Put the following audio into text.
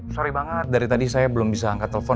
sorry banget dari tadi saya belum bisa angkat telepon